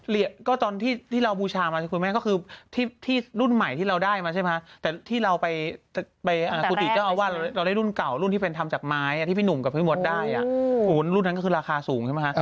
ก็ตอนที่เราบูชามาคุณแม่ก็คือที่รุ่นใหม่ที่เราได้มาใช่ไหมแต่ที่เราไปกุฏิเจ้าอาวาสเราได้รุ่นเก่ารุ่นที่เป็นทำจากไม้ที่พี่หนุ่มกับพี่มดได้รุ่นนั้นก็คือราคาสูงใช่ไหมคะ